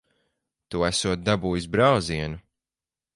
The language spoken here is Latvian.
Tu esot dabūjis brāzienu.